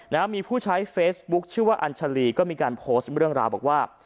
นะฮะมีผู้ใช้เฟซบุ๊คชื่อว่าอัญชาลีก็มีการโพสต์เรื่องราวบอกว่า